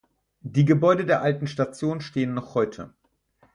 Die Gebäude der alten Station stehen noch heute.